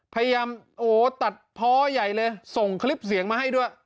พยายามโอ้โหตัดเพาะใหญ่เลยส่งคลิปเสียงมาให้ด้วย